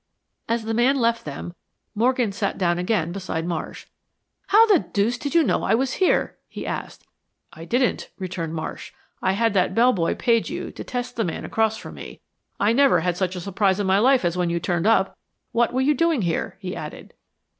As the man left them Morgan sat down again beside Marsh. "How the deuce did you know I was here?" he asked. "I didn't," returned Marsh. "I had that bell boy page you to test the man across from me. I never had such a surprise in my life as when you turned up. What were you doing here?" he added.